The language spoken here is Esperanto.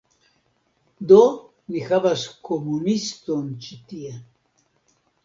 Do, ni havas komuniston ĉi tie